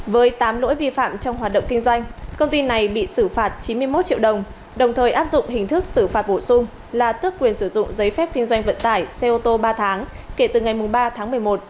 với tám lỗi vi phạm trong hoạt động kinh doanh công ty này bị xử phạt chín mươi một triệu đồng đồng thời áp dụng hình thức xử phạt bổ sung là tước quyền sử dụng giấy phép kinh doanh vận tải xe ô tô ba tháng kể từ ngày ba tháng một mươi một